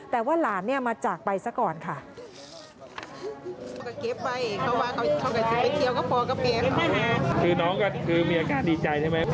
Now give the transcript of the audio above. พ่อแม่ก็ว่านี่ก็ว่าส่วนกันลงห่อ